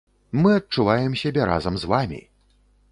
Мы адчуваем сябе разам з вамі!